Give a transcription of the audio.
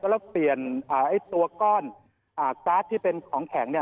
แล้วเปลี่ยนตัวก้อนการ์ดที่เป็นของแข็ง